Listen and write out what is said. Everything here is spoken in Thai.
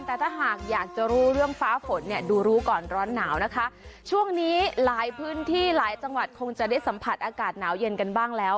แต่ถ้าหากอยากจะรู้เรื่องฟ้าฝนเนี่ยดูรู้ก่อนร้อนหนาวนะคะช่วงนี้หลายพื้นที่หลายจังหวัดคงจะได้สัมผัสอากาศหนาวเย็นกันบ้างแล้ว